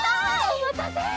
おまたせ！